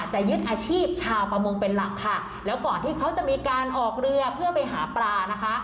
ยึดอาชีพชาวประมงเป็นหลักค่ะแล้วก่อนที่เขาจะมีการออกเรือเพื่อไปหาปลานะคะ